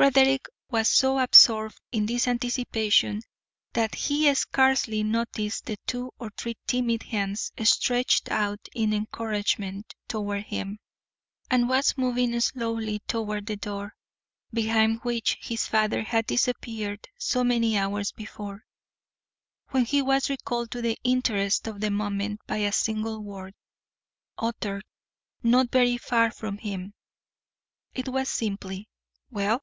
Frederick was so absorbed in this anticipation that he scarcely noticed the two or three timid hands stretched out in encouragement toward him, and was moving slowly toward the door behind which his father had disappeared so many hours before, when he was recalled to the interests of the moment by a single word, uttered not very far from him. It was simply, "Well?"